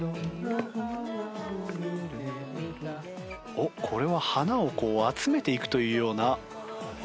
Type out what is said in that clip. おっこれは花をこう集めていくというような。